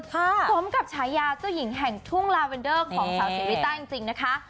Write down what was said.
สมกับฉายาเจ้าหญิงแห่งทุ่งลาเวนเดอร์ของสาวศรีริต้าจริงนะคะ